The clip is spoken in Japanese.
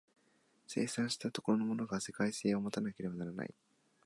生産した所のものが世界性を有たなければならない。